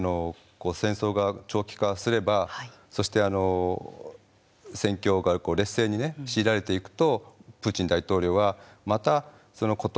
戦争が長期化すればそして戦況が劣勢に強いられていくとプーチン大統領はまた事あるごとにね